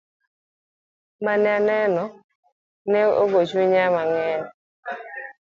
Mane aneno ne ogo chunya mang'eny.